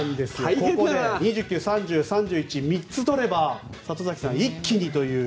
２９、３０、３１３つ取れば、里崎さん一気にという。